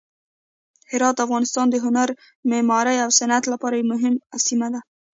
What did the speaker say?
هرات د افغانستان د هنر، معمارۍ او صنعت لپاره یوه مهمه سیمه ده.